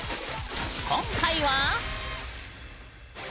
今回は。